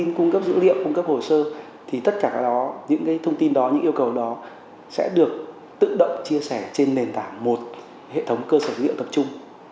thông tin cung cấp dữ liệu cung cấp hồ sơ thì tất cả những thông tin đó những yêu cầu đó sẽ được tự động chia sẻ trên nền tảng một hệ thống cơ sở dữ liệu tập trung